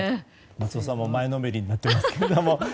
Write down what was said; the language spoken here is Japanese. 松尾さんも前のめりになっていますけれども。